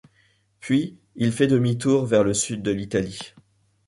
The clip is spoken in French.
Puis il fait demi-tour vers le sud de l'Italie.